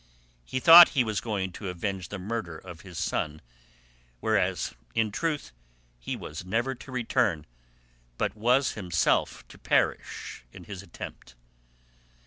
He thought he was going to avenge the murder of his son, whereas in truth he was never to return, but was himself to perish in his attempt.